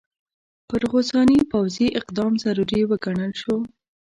پر غساني پوځي اقدام ضروري وګڼل شو.